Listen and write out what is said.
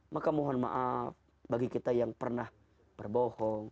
maka mohon maaf bagi kita yang pernah berbohong